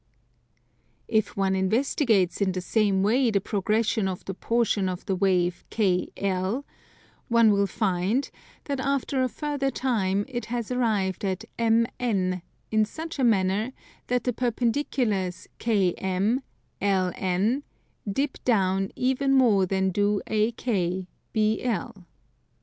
If one investigates in the same way the progression of the portion of the wave KL, one will find that after a further time it has arrived at MN in such a manner that the perpendiculars KM, LN, dip down even more than do AK, BL.